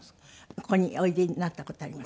ここにおいでになった事あります。